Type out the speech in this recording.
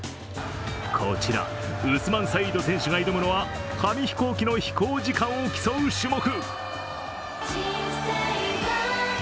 こちら、ウスマンサイード選手が挑むのは紙飛行機の飛行時間を競う種目。